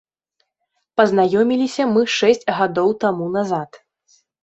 Пазнаёміліся мы шэсць гадоў таму назад.